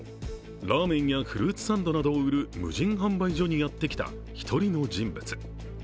ラーメンやフルーツサンドなどを売る無人販売所にやってきた１人の人物。